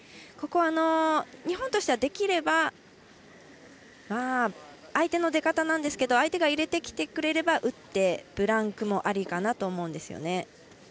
ここは、日本としてはできれば相手の出方なんですが相手が入れてきてくれれば打って、ブランクもありかなと思うんですね。